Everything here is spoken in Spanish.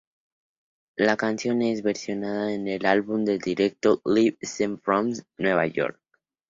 La canción es versionada en el álbum en directo Live Scenes From New York.